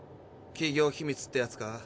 企業秘密ってやつか？